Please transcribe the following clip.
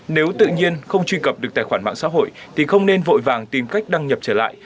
nếu tự nhiên không truy cập được tài khoản mạng xã hội thì không nên vội vàng tìm cách đăng nhập trở lại